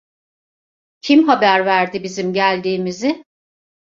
Kim haber verdi bizim geldiğimizi?